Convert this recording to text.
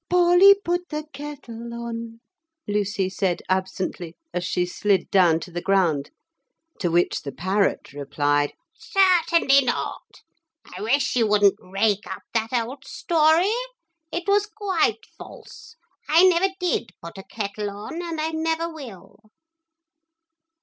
'Polly put the kettle on,' Lucy said absently, as she slid down to the ground; to which the parrot replied, 'Certainly not. I wish you wouldn't rake up that old story. It was quite false. I never did put a kettle on, and I never will.'